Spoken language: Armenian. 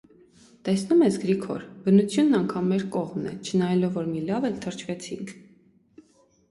Տեսնո՞ւմ ես, Գրիգոր, բնությունն անգամ մեր կողմն է, չնայելով որ մի լավ էլ թրջվեցինք: